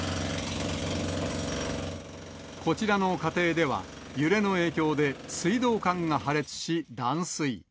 こちらの家庭では、揺れの影響で水道管が破裂し断水。